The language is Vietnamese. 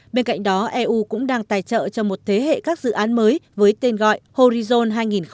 bên cạnh đó eu cũng đang tài trợ cho một thế hệ các dự án mới với tên gọi horizon hai nghìn hai mươi